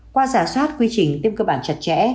qua giả soát quy trình tiêm cơ bản chặt chẽ